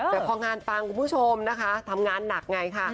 แต่พองานปังคุณผู้ชมทำงานหนักไง